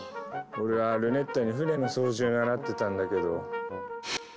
俺はルネッタに船の操縦習ってたんだけど。